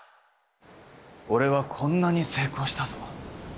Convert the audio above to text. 俺はこんなに成功したぞ。